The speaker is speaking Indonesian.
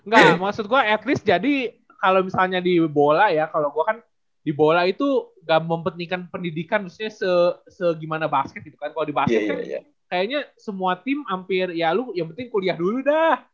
gak maksud gue at least jadi kalo misalnya di bola ya kalo gua kan di bola itu gak mempentingkan pendidikan misalnya segimana basket gitu kan kalo di basket kan kayaknya semua tim ya lu yang penting kuliah dulu dah